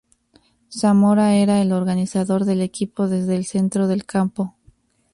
Zamora era el organizador del equipo desde el centro del campo.